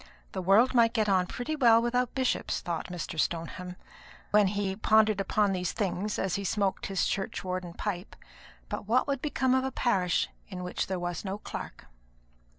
"The world might get on pretty well without bishops," thought Mr. Stoneham, when he pondered upon these things as he smoked his churchwarden pipe; "but what would become of a parish in which there was no clerk?"